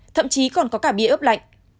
thậm chí còn có cả bia ướp lạnh